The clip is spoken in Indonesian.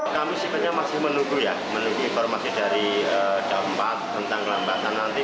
kami simpannya masih menunggu ya menunggu informasi dari jawa empat tentang kelambatan nanti